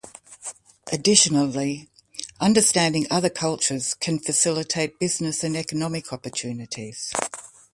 Additionally, understanding other cultures can facilitate business and economic opportunities.